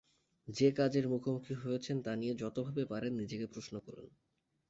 যে কাজের মুখোমুখি হয়েছেন, তা নিয়ে যতভাবে পারেন নিজেকে প্রশ্ন করুন।